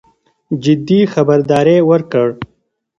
جدي خبرداری ورکړ.